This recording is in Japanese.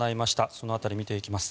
その辺り見ていきます。